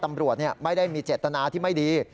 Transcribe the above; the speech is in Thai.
ตำรวจไม่ได้มีเจตนาที่ไม่ดี